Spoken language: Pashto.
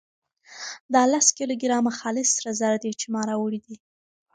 دا لس کيلو ګرامه خالص سره زر دي چې ما راوړي دي.